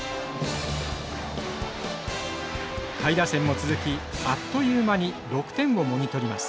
下位打線も続きあっという間に６点をもぎ取ります。